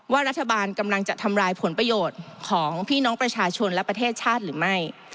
รัฐบาลกำลังจะทำลายผลประโยชน์ของพี่น้องประชาชนและประเทศชาติหรือไม่